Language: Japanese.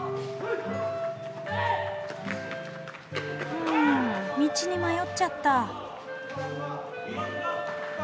うん道に迷っちゃった。